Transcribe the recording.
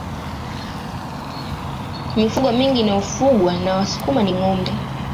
mifugo mingi inayofugwa na wasukuma ni ngombe